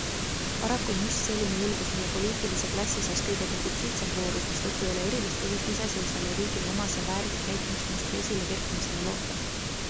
Paraku on just selline julgus meie poliitilise klassi seas kõige defitsiitsem voorus, mistõttu ei ole erilist põhjust iseseisvale riigile omase väärika käitumismustri esilekerkimisele loota.